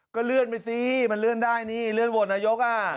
ก็เลื่อนไปสิมันเลื่อนได้นี่เลื่อนโหวตนายก